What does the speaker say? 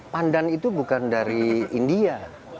pandan itu bukan dari india